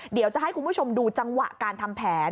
เดี๋ยวจะให้คุณผู้ชมดูจังหวะการทำแผน